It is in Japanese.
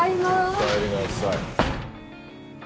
おかえりなさい。